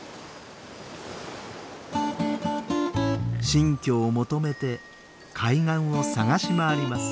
新居を求めて海岸を探し回ります。